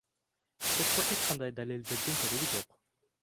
Сотко эч кандай далилдердин кереги жок.